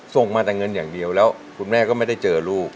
ส่งมาแต่เงินอย่างเดียวแล้วคุณแม่ก็ไม่ได้เจอลูก